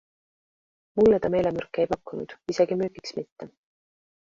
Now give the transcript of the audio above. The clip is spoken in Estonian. Mulle ta meelemürke ei pakkunud, isegi müügiks mitte.